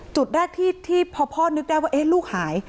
จุดแรกที่พอพ่อนึกได้ว่าลูกหาย